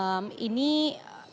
ini tapi kemudian disanggah oleh